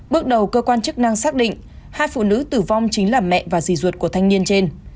bước đầu cơ quan chức năng xác định hai phụ nữ tử vong chính là mẹ và rì ruột của thanh niên trên